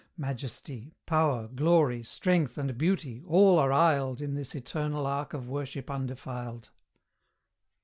Majesty, Power, Glory, Strength, and Beauty, all are aisled In this eternal ark of worship undefiled.